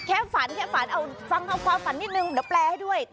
แค่ฝันให้พูดออกนิดหนึ่งนึกให้แปลให้ด้วย